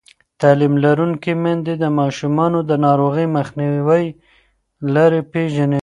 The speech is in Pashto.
تعلیم لرونکې میندې د ماشومانو د ناروغۍ مخنیوي لارې پېژني.